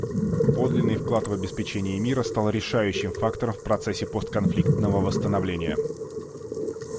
Подлинный вклад в обеспечение мира стал решающим фактором в процессе постконфликтного восстановления.